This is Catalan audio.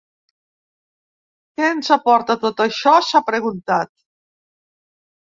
Què ens aporta tot això?, s’ha preguntat.